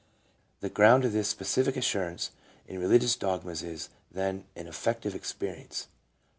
The ground of this specific assurance in religious dogmas is, then, an affective experience.